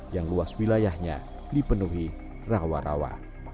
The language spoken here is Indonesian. yang luas wilayahnya dipenuhi rawa rawa